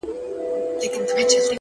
د ځناورو په خوني ځنگل کي _